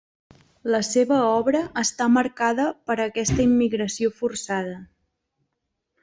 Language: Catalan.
La seva obra està marcada per aquesta immigració forçada.